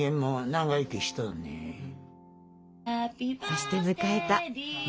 そして迎えた